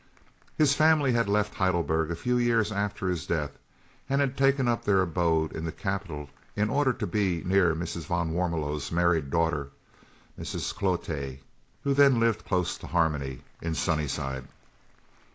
His family had left Heidelberg a few years after his death, and had taken up their abode in the capital in order to be near Mrs. van Warmelo's married daughter, Mrs. Cloete, who then lived close to Harmony, in Sunnyside.